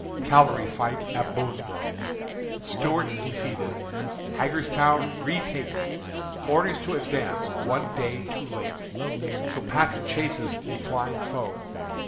Cavalry Fight at Boonsboro'. Stuart Defeated. Hagerstown Retaken. Orders to Advance, One Day Too Late. Kilpatrick Chases the Flying Foe.